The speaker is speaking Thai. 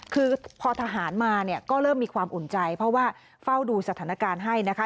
คือพอทหารมาเนี่ยก็เริ่มมีความอุ่นใจเพราะว่าเฝ้าดูสถานการณ์ให้นะคะ